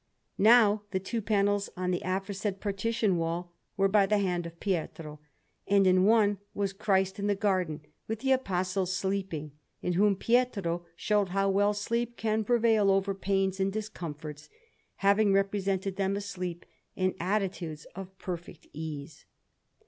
Now the two panels on the aforesaid partition wall were by the hand of Pietro; and in one was Christ in the Garden, with the Apostles sleeping, in whom Pietro showed how well sleep can prevail over pains and discomforts, having represented them asleep in attitudes of perfect ease.